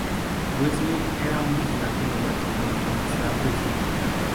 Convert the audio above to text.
Wesley era un vigilante novato cuando conoció a Buffy.